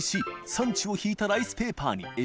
サンチュを敷いたライスペーパーに┘